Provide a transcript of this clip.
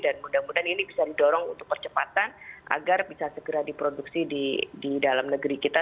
dan mudah mudahan ini bisa didorong untuk percepatan agar bisa segera diproduksi di dalam negeri kita